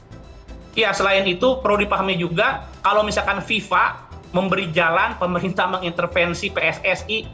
ya selain itu perlu dipahami juga kalau misalkan fifa memberi jalan pemerintah mengintervensi pssi